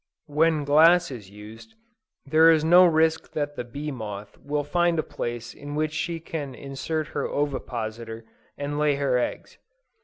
When glass is used, there is no risk that the bed moth will find a place in which she can insert her ovi positor and lay her eggs.